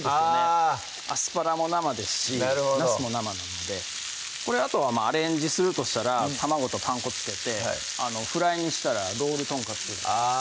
あアスパラも生ですしなすも生なのでこれあとはアレンジするとしたら卵とパン粉付けてフライにしたらロールとんかつあ